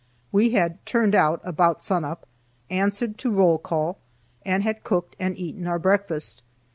We had "turned out" about sunup, answered to roll call, and had cooked and eaten our breakfast.